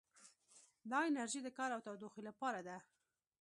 دا انرژي د کار او تودوخې لپاره ده.